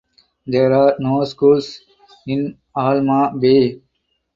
There are no schools in Alma Bay.